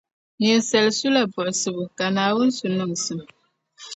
Ninsala sula buɣisibu, ka Naawuni su niŋsim.